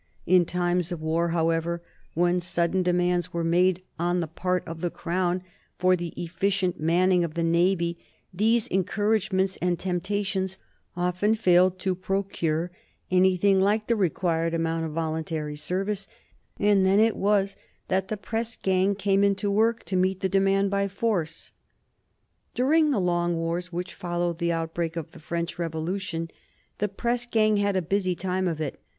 In times of war, however, when sudden demands were made on the part of the Crown for the efficient manning of the Navy, these encouragements and temptations often failed to procure anything like the required amount of voluntary service, and then it was that the press gang came into work to meet the demand by force. [Sidenote: 1835 Resisting the press gang] During the long wars which followed the outbreak of the French Revolution the press gang had a busy time of it.